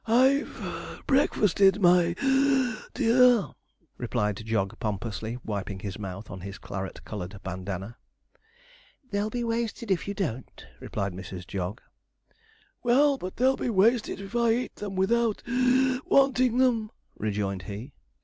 'I've (puff) breakfasted, my (wheeze) dear,' replied Jog pompously, wiping his mouth on his claret coloured bandana. 'They'll be wasted if you don't,' replied Mrs. Jog. 'Well, but they'll be wasted if I eat them without (wheeze) wanting them,' rejoined he.